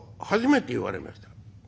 初めて言われました。